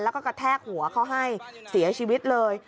แล้วก็กระแทกหัวเขาให้เสียชีวิตเลย